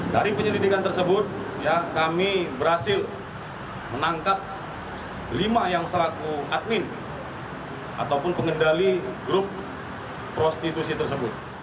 dari penyelidikan tersebut kami berhasil menangkap lima yang selaku admin ataupun pengendali grup prostitusi tersebut